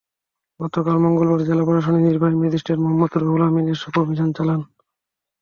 গতকাল মঙ্গলবার জেলা প্রশাসনের নির্বাহী ম্যাজিস্ট্রেট মোহাম্মাদ রুহুল আমীন এসব অভিযান চালান।